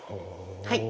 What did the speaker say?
はい。